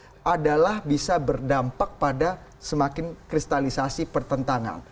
mengapa bisa berdampak pada semakin kristalisasi pertentangan